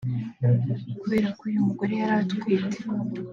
Kubera ko uyu mugore yari atwite